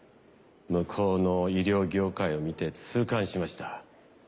向こうの医療業界を見て痛感しました。